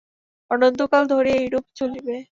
অনন্ত কাল ধরিয়া এইরূপ চলিবে।